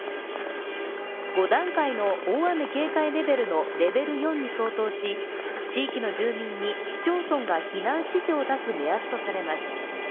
５段階の大雨警戒レベルのレベル４に相当し地域の住民に市町村が避難指示を出す目安とされます。